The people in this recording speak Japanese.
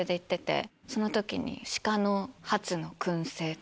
その時に。